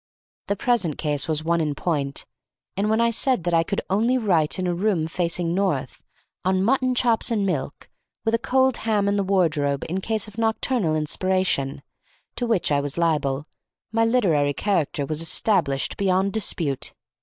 The present case was one in point, and when I said that I could only write in a room facing north, on mutton chops and milk, with a cold ham in the wardrobe in case of nocturnal inspiration, to which I was liable, my literary character was established beyond dispute.